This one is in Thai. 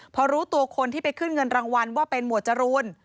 พอรู้ตัวคนที่ไปขึ้นเงินรางวัลว่าเป็นหมวดจรูน